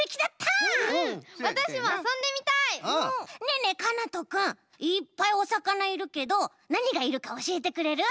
ねえねえかなとくんいっぱいおさかないるけどなにがいるかおしえてくれる？